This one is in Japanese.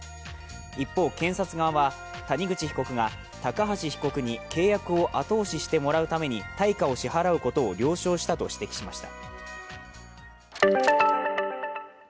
一方、検察側は谷口被告が高橋被告に契約を後押ししてもらうために対価を支払うことを了承したと指摘しました。